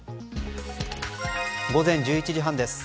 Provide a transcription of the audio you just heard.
午前１１時半です。